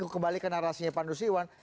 kembali ke narasinya pandusiwan